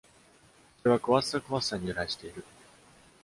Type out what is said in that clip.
それはクワッサクワッサに由来している。